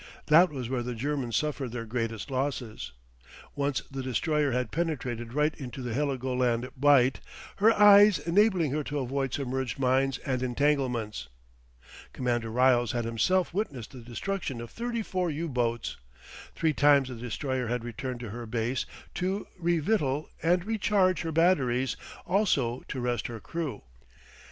That was where the Germans suffered their greatest losses. Once the Destroyer had penetrated right into the Heligoland Bight, her "eyes" enabling her to avoid submerged mines and entanglements. Commander Ryles had himself witnessed the destruction of thirty four U boats. Three times the Destroyer had returned to her base to re victual and recharge her batteries, also to rest her crew.